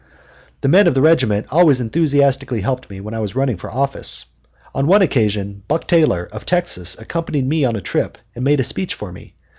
The men of the regiment always enthusiastically helped me when I was running for office. On one occasion Buck Taylor, of Texas, accompanied me on a trip and made a speech for me.